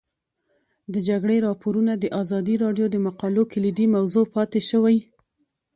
د جګړې راپورونه د ازادي راډیو د مقالو کلیدي موضوع پاتې شوی.